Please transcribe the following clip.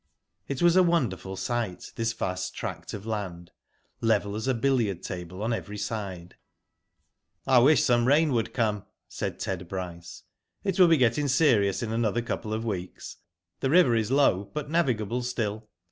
It was a wonderful sight, this vast tract of land, level as a billiard table on every side. *^ I wish some rain would come," said Ted Bryce. " It will be getting serious in another couple of weeks. The liver is low, but navigable still.